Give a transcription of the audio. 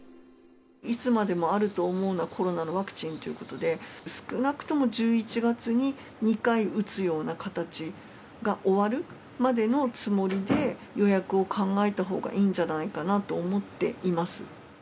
いつまでもあると思うな、コロナのワクチンっていうことで、少なくとも１１月に２回打つような形が終わるまでのつもりで、予約を考えたほうがいいんじゃないかなと思っています。